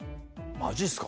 マジっすか？